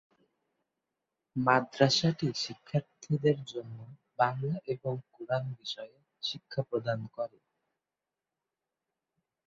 মাদ্রাসাটি শিক্ষার্থীদের জন্য বাংলা এবং কুরআন বিষয়ে শিক্ষা প্রদান করে।